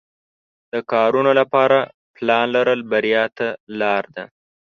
د کارونو لپاره پلان لرل بریا ته لار ده.